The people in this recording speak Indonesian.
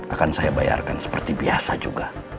akan saya bayarkan seperti biasa juga